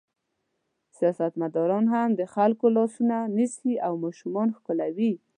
سیاستمداران هم د خلکو لاسونه نیسي او ماشومان ښکلوي.